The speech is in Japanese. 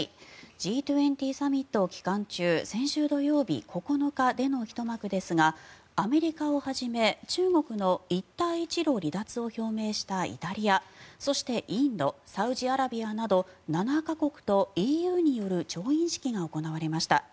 Ｇ２０サミット期間中先週土曜日９日でのひと幕ですがアメリカをはじめ中国の一帯一路離脱を表明したイタリアそしてインド、サウジアラビアなど７か国とＥＵによる調印式が行われました。